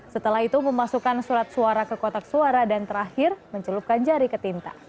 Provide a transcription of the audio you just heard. setelah itu memasukkan surat suara ke kotak suara dan terakhir mencelupkan jari ke tinta